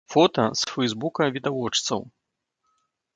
Фота з фэйсбука відавочцаў.